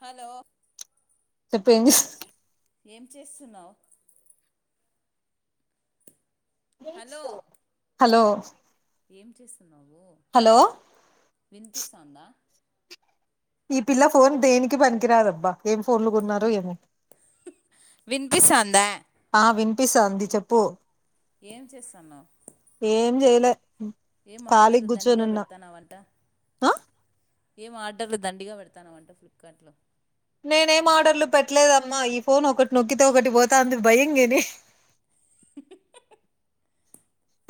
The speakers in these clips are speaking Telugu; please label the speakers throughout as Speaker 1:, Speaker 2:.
Speaker 1: హలో
Speaker 2: చెప్పు ఏంది
Speaker 1: హల్ ఏం చేస్తున్నావు. Hello
Speaker 2: school. హలో
Speaker 1: ఏం చేస్తుంది. నువ్వు
Speaker 2: హలో
Speaker 1: వినిపిస్తుందా.
Speaker 2: ఈ పిల్ల ఫోన్ దేనికి పనికిరాదబ్బా ఏం ఫోన్లు కొన్నారో ఏమో.
Speaker 1: వినిపిస్తోందా.
Speaker 2: వినిపిస్తుంది చెప్పు.
Speaker 1: ఏం చేస్తున్నావ్.
Speaker 2: లే
Speaker 1: ఏం ఆర్డర్ దండిగా పెడుతున్నావంట.
Speaker 2: ఆహ్.
Speaker 1: ఏం ఆర్డర్లు దండిగా పెడుతున్నావంట ఫ్లిప్కార్ట్ లో.
Speaker 2: నేనేం ఆర్డర్లు పెట్టలేదమ్మా ఈ ఫోన్ ఒకటి నొక్కితే ఒకటి పోతంది భయందీ.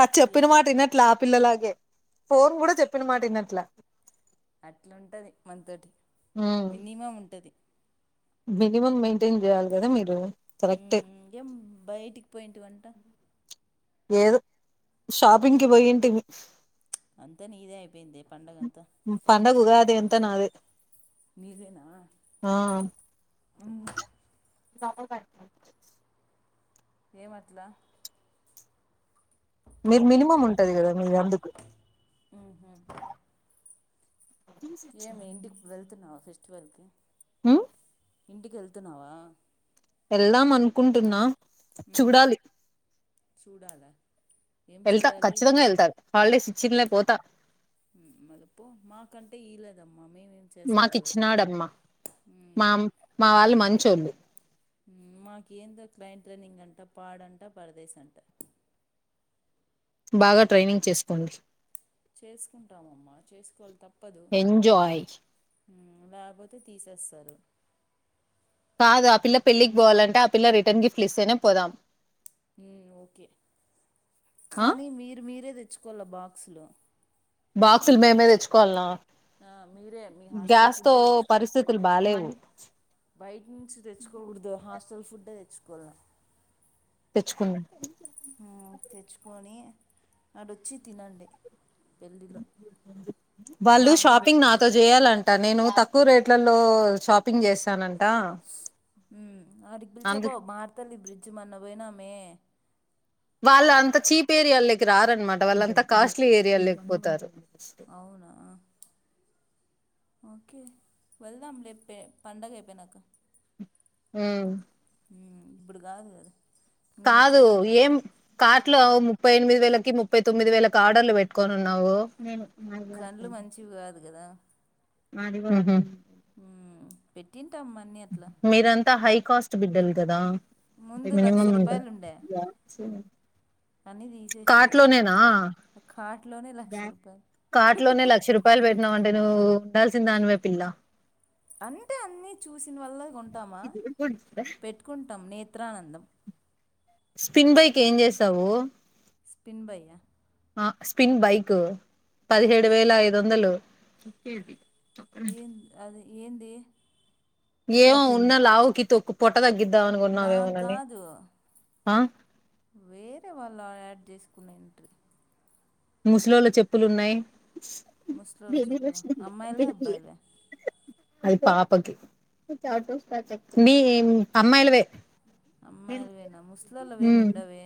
Speaker 2: అది
Speaker 1: ఏ
Speaker 2: చెప్పిన మాటవిన్నట్లే. పిల్లలాగే ఫోన్ కూడా చెప్పిన మాట విన్నట్లే.
Speaker 1: అట్లా ఉంటది మనతోటి మినిమం ఉంటది.
Speaker 2: Minimum man.
Speaker 1: ఏం బయటికి పోయింటి వంట. అట్ట
Speaker 2: ఏదో షాపింగ్ కి పోయింటిమి.
Speaker 1: అంతా నీదే అయిపోయిందే పండగ అంతా.
Speaker 2: అంత నాదే.
Speaker 1: నీదేనా.
Speaker 2: ఆ డబుల్ గన్.
Speaker 1: ఏమట్లా.
Speaker 2: మీరు మినిమం ఉంటది కదా మీరు అందుకు.
Speaker 1: ఏమి ఇంటికి వెల్. పోతున్నావా ఫెస్టివల్ కి.
Speaker 2: ఉమ్
Speaker 1: ఇంటికి వెళ్తున్నావా.
Speaker 2: వెళ్దాం అనుకుంటున్నా. చూడాలి.
Speaker 1: చూడాలే.
Speaker 2: వెళ్తా ఖచ్చితంగా వెళ్తా హాలుడేస్. ఇచ్చినలే పోతా
Speaker 1: మళ్ళపో మాకంటే ఇయలేదమ్మా మేమేం
Speaker 2: మాకు
Speaker 1: చేసుకోవాలో చెప్పు
Speaker 2: ఇచ్చినాడమ్మ మామ్ మా వాళ్ళు మంచోళ్ళు.
Speaker 1: మాకు ఏందో క్రైమ్ ట్రైనింగ్ అంట పాడంట పరదేశ అంట
Speaker 2: బాగా ట్రైనింగ్ చేసుకోండి
Speaker 1: చేసుకుంటాంమ్మా చేసుకోవాలి తప్పదు
Speaker 2: ఎంజాయ్
Speaker 1: లేకపోతే తీసేస్తారు
Speaker 2: కాదు ఆ పిల్ల పెళ్ళికి పోవాలంటే ఆ పిల్ల రిటర్న్ గిఫ్ట్ ఇస్తేనే పోదాం
Speaker 1: ఓకే
Speaker 2: ఆ
Speaker 1: కానీ మీర మీరద తెచ్చుకల బాక్సులు
Speaker 2: బాక్సులు మేమే తెచ్చుకోవాలనా
Speaker 1: మీరే మీ హాస్టల్
Speaker 2: గ్యాస్ తో
Speaker 1: ఫుడ్డే తెచ్చుకోవాలి
Speaker 2: పరిస్థితులు బాలేవు
Speaker 1: బయట నుంచి తెచ్చుకోకూడదు హాస్టల్ ఫుడ్డ తెచ్చుకో
Speaker 2: తెచ్చుకున్నాం
Speaker 1: ప్పుల్ తెచ్చుకొని అడొచ్చి తినండి పెళ్ళిలో
Speaker 2: వాళ్ళు
Speaker 1: నా
Speaker 2: షాపింగ్ నాతో చేయాలంటే నేను తక్కువ రేట్లలో షాపింగ్ చేస్తానండి
Speaker 1: అడికి పిలిచా
Speaker 2: అందు
Speaker 1: పో మారతలి బ్రిడ్జ్ మన్న పోయినా మ
Speaker 2: వాళ్ళ అంత చీప్ ఏరియాకి రారన్నమాట వాళ్ళు అంత కోస్ట్ ఏరియా లేపోతారు
Speaker 1: అవునా ఓకే వెళ్దాం లేపో పండగ అయిపోయాయి నాకు
Speaker 2: హ
Speaker 1: భడగ గద
Speaker 2: కాదు ఏం కార్ లో ముప్పై ఎనిమిది వేలకి ముప్పై తొమ్మిది వేలకి ఆర్డర్లు పెట్టుకనిన్నావు
Speaker 1: కళ్డ్లు మంచివి కాదు కదా
Speaker 2: మది
Speaker 1: పెట్టిన్
Speaker 2: మీరంతా హైక్ కాస్ట్ బిడ్ల్ కదా
Speaker 1: ముందు
Speaker 2: అని
Speaker 1: లక్ష రూపాయలు ఉండే అన్నీ తీసేసిన
Speaker 2: కాట్ లోనేనా
Speaker 1: ఒక కార్ట్లోనే లక్ష రూపాయలు
Speaker 2: కార్ట్ లోనే లక్ష రూపాయలు పెట్టినావ అంటే నువ్వు ఉండాల్సిన దానివే పిల్ల
Speaker 1: అంటే అన్ని చూసిన వల్ల కొంటామా పెట్టుకుంటాం నేత్రానందం
Speaker 2: స్పిన్ బైక్ ఏం చేసావు
Speaker 1: స్పిన్ బయ్యా
Speaker 2: స్పిన్ బైక్ పదిహేడు వేల ఐదు వందలు
Speaker 1: ఏన్ అది ఏంది
Speaker 2: ఏవో ఉన్న లావుకి తొక్కు పొట్ట తగ్గిది ద్దా అనుకున్నావు ఏమే
Speaker 1: నాకు
Speaker 2: గాని
Speaker 1: కాదు
Speaker 2: ఆ
Speaker 1: వేరే వాళ్ళ యాడ్ చేసుకునే ఎంట్రీ
Speaker 2: ముసలోళ్ల చెప్పులున్నాయి
Speaker 1: ముసలోల్ల చేప్పుల ఉన్నాయి. అమ్మాయిలవ అబ్బాయిలవ
Speaker 2: మీ యే అమ్మాయి లవే
Speaker 1: అమ్మాలువేనా ముసల్లోలవేముండవే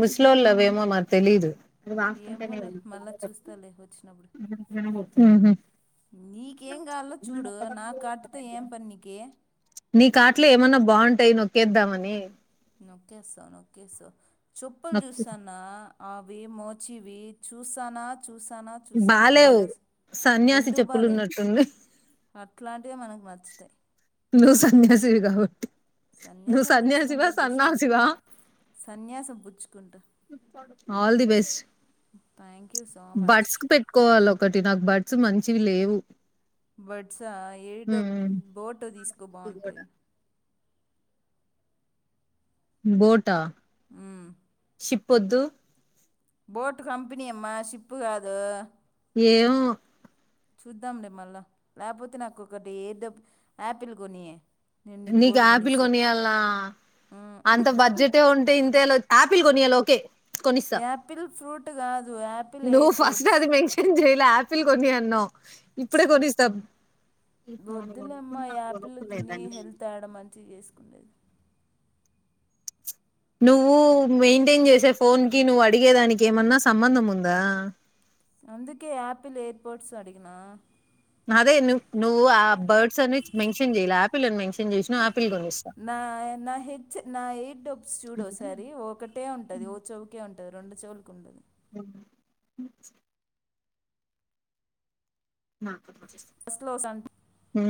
Speaker 2: ముస్లోలవేమే మారీ తెలీదు
Speaker 1: ఏమోలే మళ్ళా చూస్తాలే వచ్చినప్పుడు
Speaker 2: [unintelligible] హ్ హ్
Speaker 1: నీకేం కావలో చూడు నా ఆటితో ఏం పని నీకి
Speaker 2: నీ కాట్లో ఏమన్నా బాగుంటాయి. నొక్కేద్దామని
Speaker 1: నొక్కేస్తావ్ నొక్కేస్తావ్ చెప్పులు చూస్తన్న అవి మోచివి చూసాన చూసన
Speaker 2: బాలేవు
Speaker 1: చూసిన
Speaker 2: సన్యాసి
Speaker 1: ఎందుకు
Speaker 2: చెప్పులు
Speaker 1: బలెవ్
Speaker 2: ఉన్నట్టుంది
Speaker 1: అట్లాంటి మనకు నచ్చుతాయి.
Speaker 2: వి కాబట్టి నువ్వు
Speaker 1: సన్యాసం
Speaker 2: సన్యాసివా
Speaker 1: పుచ్చుకుండేది బెస్ట్
Speaker 2: సన్నాసివా
Speaker 1: సన్యాసం పుచ్చుకుంట.
Speaker 2: All the best
Speaker 1: thank you so
Speaker 2: buds
Speaker 1: much
Speaker 2: కు పెట్టుకోవాలి. ఒకటి నాకు బడ్స్ మంచివి లేవు
Speaker 1: బడ్స ఏడ
Speaker 2: ఉమ్.
Speaker 1: బోటో తీసుకో బాగుంటాయి.
Speaker 2: బోటా
Speaker 1: హ్
Speaker 2: చిప్పొద్దు.
Speaker 1: బోట్ కంపెనీ అమ్మా షిప్పు కాదు.
Speaker 2: ఏమే
Speaker 1: చూద్దాంలే మళ్ళా లేకపోతే నాకొకటి ఏడ యాపిల్ కొనియే నేను
Speaker 2: నీకు
Speaker 1: బోట్
Speaker 2: యాపిల్
Speaker 1: కొనిస్తా
Speaker 2: కొనియాన్ల
Speaker 1: ఉమ్.
Speaker 2: అంత బడ్జెటే ఉంటే ఇంతేలా వ ఆపిల్ కొన్నియల ఓకే కొనిస్తా
Speaker 1: యాపిల్ ఫ్రూట్ గా. యాపిల్ ఎయిర్పోర్ట్స్
Speaker 2: కొనీ ఆన్నాం ఇప్పుడే కొన్నిస్తా
Speaker 1: వద్దులేమ్మా యాపిల్ తిని హెల్త్ తేడ మంచిగ జేసుకుండేది
Speaker 2: నువ్వు మెయింటైన్ జేసే ఫోన్ కి నువ్వు అడిగేదానికి ఏమన్నా సంబంధం ఉందా
Speaker 1: అందుకే ఆపిిల్ ఏర్పోట్స్ అడిగినా
Speaker 2: అదే నువ్ నువ్వు ఆ బర్డ్స్ అని మెన్షన్ చెయి ఆపిల్ని మెన్షన్ చేసినావు ఆపిల్ కొనిస్తా
Speaker 1: నా నా హెచ్ నా ఎయిట్ డబ్బుస్ చూడ ఒకసారి ఒకటే ఉంటది ఓ చౌకే ఉంటు రెండు చెవులిక్ ఉంది
Speaker 2: అ
Speaker 1: ఫస్ లోసన్
Speaker 2: ఉ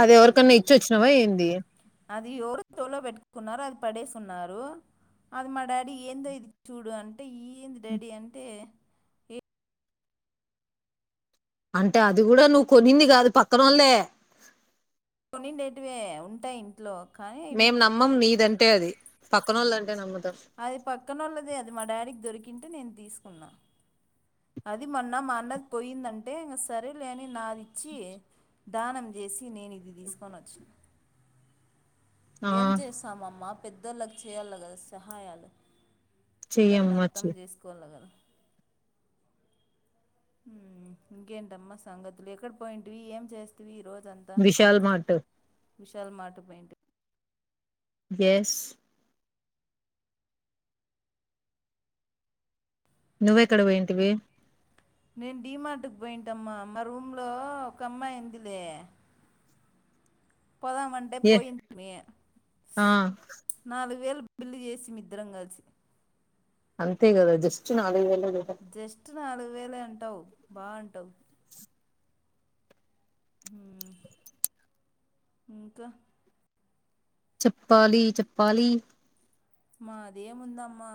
Speaker 2: అది ఎవరికన్నా ఇచ్చి వచ్చినవా ఏంది
Speaker 1: అది ఎవరు తోలో పెట్టుకున్నారు అది పడేసి ఉన్నారు అది మా డాడీ ఏందో ఇది చూడు అంట అంటే ఏంది డాడీ అంటే "ఏ
Speaker 2: అంటే అది కూడా నువ్వు కొన్నింది కాదు పక్కనళ్లే
Speaker 1: కొన్నిండేటివే ఉంటాయి ఇంట్లో కానీ ఇవి
Speaker 2: మేం నమ్మం నీదంటే అది పక్కనోళ్ళదంటే నమ్మ
Speaker 1: అది పక్కనోళ్లదే అది మా డాడకి దొరికకి నేను తీసుకున్నా అది మొన్న మా అన్నది పోయిందంటే ఇంక సరేలేని నాది చి దానం జేసి నేను ఇది తీసుకొని వచ్చను
Speaker 2: ఆ
Speaker 1: ఏం చేసామమ్మ పెద్దోల్లకి చెయ్యల్ల గదా సహాయాలు పిల్లోల్లు
Speaker 2: చెయ్యమ్మా
Speaker 1: అర్థం
Speaker 2: చెయ్
Speaker 1: చేసుకోవాలి కదా ఊ ఇంకేంటమ్మా సంగతులు ఎక్కడ పోయింటివి ఏం చేస్తవి ఈ రోజు
Speaker 2: విశల్ మార్ట్
Speaker 1: విశాల్ మార్ట్ పోయింట్
Speaker 2: ఎస్ నువ్వెక్కడ పోయింటివి
Speaker 1: నేను డి మార్ట్కి పోయింటమ్మా మా రూమ్ లో ఒక అమ్మాయి ఉందిలే పోదామంటే
Speaker 2: ఏ
Speaker 1: పోయింటిమి
Speaker 2: ఆ
Speaker 1: నలుగు వేలు బిల్లు జేసిమి ఇద్రం గలిసి
Speaker 2: అంతే గదా జస్ట్ నాలుగు వేలు లేగ
Speaker 1: ట్ నాలుగు వేలే అంటావు బా అంటావు హ ఇంకా
Speaker 2: చప్పాలి చెప్పాలి
Speaker 1: మాదేముందమ్మా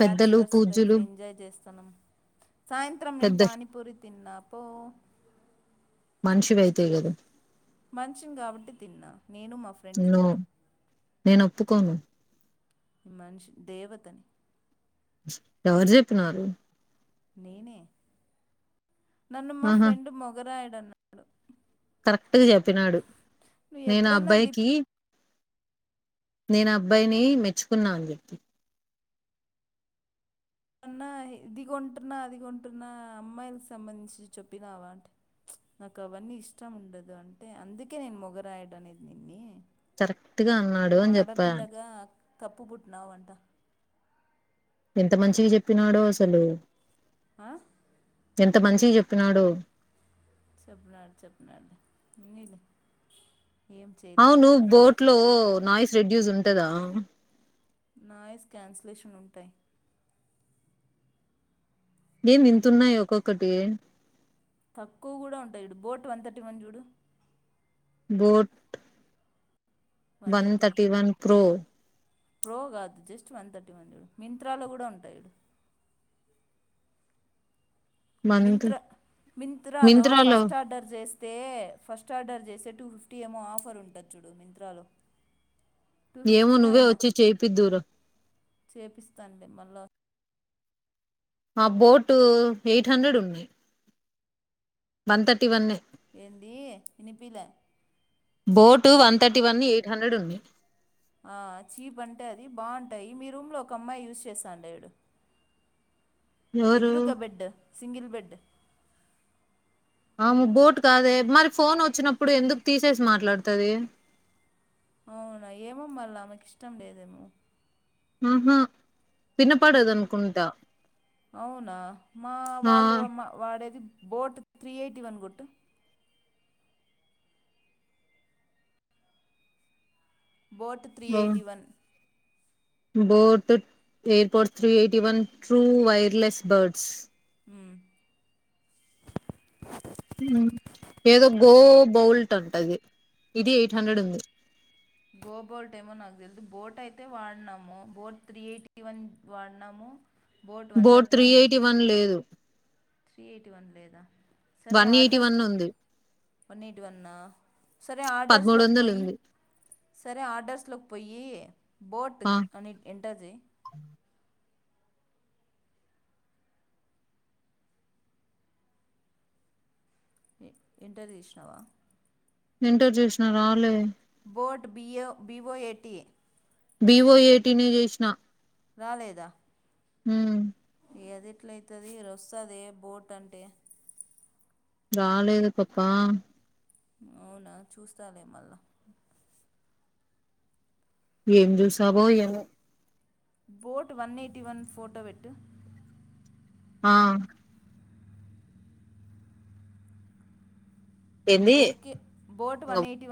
Speaker 2: పెద్దలు
Speaker 1: లైఫ్
Speaker 2: పూజ్యులు
Speaker 1: ఎంజాయ్ చేస్ సలం సాయంత్రం నేను
Speaker 2: పెద్ద
Speaker 1: పానీపూరి తిన్నా పో
Speaker 2: మనిషివయితే కదా
Speaker 1: మనిషిని కాబట్టి తిన్నా నేను మా ఫ్రెండ్
Speaker 2: నో
Speaker 1: తిన్నాం
Speaker 2: నేను ఒప్పుకోను
Speaker 1: ఈ మనిషి దేవతని
Speaker 2: ఎవరు చెప్పిరు
Speaker 1: నేనే నన్ను మా ఫ్రెండ్ మొగర [unintelligible]
Speaker 2: కరెక్ట్గా చెప్పినాడు
Speaker 1: నువ్వు
Speaker 2: నేను
Speaker 1: ఎప్పుడన్నా లిప్
Speaker 2: అబ్బాయికి నేను అబ్బాయిని మెచ్చుకున్నా అని చెప్పు
Speaker 1: ఏవన్నా ఇది కొంటున్నా అది కొంటున్నా అమ్మాయిలు సంబంధించి చెప్పినావా అంటే నాకు అవన్నీ ఇష్టం ఉండదు అంటే అందుకే నేను మొగరాయడు అనేది నిన్ని
Speaker 2: కరెక్ట్గా అన్నాడు అని చెప్పా
Speaker 1: తప్పు పుట్టినావంట
Speaker 2: ఎంత మంచిగా చెప్పినాడో అసలు
Speaker 1: ఆ
Speaker 2: ఎంత మంచి చెప్పినాడో
Speaker 1: చెప్నాడు చెప్న [unintelligible]
Speaker 2: అవును బోట్ లో నాయిస్ రెడ్యూస్ ఉంటందా
Speaker 1: నాయిస్ క్యాన్సిలేషన్ ఉంటాయి
Speaker 2: ఏంది ఇత్తునయ్ ఒక్కొక్కటి
Speaker 1: తక్కువ కూడా ఉంటాయి చూడు బోట్ వన్ థర్టీ వన్ చూడు
Speaker 2: boat one thirty one pro
Speaker 1: pro కాదు జస్ట్ వన్ థర్టీ వన్ మింత్రాలో కూడా ఉంటాయి
Speaker 2: వన్
Speaker 1: మింత్రా మింత్రాలో ఫస్ట్ ఆర్డర్ చేస్ వస్తే ఫస్ట్ ఆర్డర్ చేసే టూ ఫిఫ్టీ ఏమో ఆఫర్ ఉంటది చూడు మింత్రాలో టూ
Speaker 2: ఏమో
Speaker 1: ఫిఫ్టీనో
Speaker 2: నువ్వే వచ్చి చేయిపిద్దురా
Speaker 1: చేపిస్తాంనులే మళ్ళా
Speaker 2: ఆ బోటు ఎయిట్ హండ్రెడ్ ఉన్నాయి వన్ తర్టీ వన్ ఎ
Speaker 1: ఏంది వినిపిలే
Speaker 2: boat one thirty one eight hundred ఉంది
Speaker 1: ఆహ్ చీప్ అంటే అది బాగుంటాయి మీ రూమ్లో ఒక అమ్మాయి యూస్ చేస్తాండే
Speaker 2: ఎవరు
Speaker 1: ఎదురుగా బెడ్ సింగిల్ బెడ్
Speaker 2: ఆ బోట్ కాదే మరి ఫోన్ వచ్చినప్పుడు ఎందుకు తీసేసి మాట్లాడుతుది
Speaker 1: అవునా ఏమో మళ్ళా ఆమెకు ఇష్టం లేదేమో
Speaker 2: ఆహా విన్నపాడు అద అనుకుంటంటా
Speaker 1: అవునా మా వాళ్ళు మా వాడేది బోట్ త్రీ ఎయిటీ వన్ గుట్టు boat three eighty one
Speaker 2: boat AirPods three eighty one true wireless buds ఏదో గో బౌల్ట్ ఉంటది
Speaker 1: గోబల్ టైమోన్కుదు అ బోట్ అయితే వాడినాము బోట్ త్రీ ఎయిటీ వన్ వాడినాము
Speaker 2: బోట్ త్రీ ఎయిటీ వన్ లేదు
Speaker 1: త్రీ ఎయిటీ వన్ లేదా సరే
Speaker 2: వన్ ఎయిటీ
Speaker 1: ఆర్డ్రస్
Speaker 2: వన్ ఉంది
Speaker 1: పన్నట్ వన్నా సరే ఆర్డర్స్
Speaker 2: పదమూడు
Speaker 1: లోకి
Speaker 2: వందలు
Speaker 1: పోయి
Speaker 2: ఉంది
Speaker 1: సరే ఆర్డర్స్ లోకి పోయి బోట్
Speaker 2: ఆ
Speaker 1: అని ఎంటది ఇంటర్ తీసినావా
Speaker 2: ఇంటర్ చూసిన రవాలే
Speaker 1: బోట్ బియో బివో ఏటి
Speaker 2: బివో ఏటీనే చేసిన
Speaker 1: రాలేదా
Speaker 2: హ
Speaker 1: ఎది ఎట్ల అవుతుంది ర వస్తుంది ఏ బోట్ అంటే
Speaker 2: రాలేదు పప్పా
Speaker 1: అవునా చూస్తాలే మల్ల
Speaker 2: ఏం చూశావో ఏమో
Speaker 1: boat one eighty one photo వెట్టు
Speaker 2: ఆహ్ ఏంది
Speaker 1: ఓకే బోట్
Speaker 2: ఇంగ
Speaker 1: వన్ ఎయిటి వన్